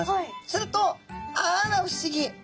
するとあら不思議！